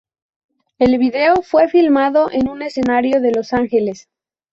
El video fue filmado en un escenario, en Los Ángeles.